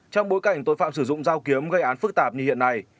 trong bối cảnh tội phạm sử dụng dao kiếm gây án phức tạp như hiện nay